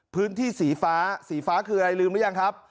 พื้นที่สีฟ้าสีฟ้าคืออะไรลืมหรือยังครับ